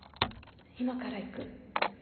今から行く。